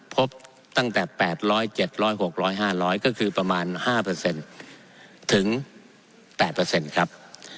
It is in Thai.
พบตั้งแต่๘๐๐๗๐๐๖๐๐๕๐๐ก็คือประมาณ๕ถึง๘ครับ